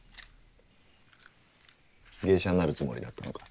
芸者になるつもりだったのか？